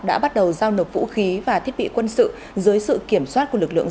đã bắt đầu giao nộp vũ khí và thiết bị quân sự dưới sự kiểm soát của lực lượng